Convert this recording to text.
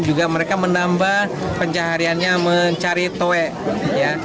juga mereka menambah pencahariannya mencari toko